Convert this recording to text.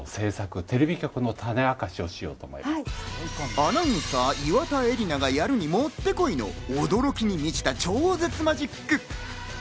アナウンサー・岩田絵里奈がやるにもってこいの驚きに満ちた超絶マジック！